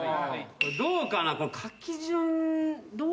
どうかな？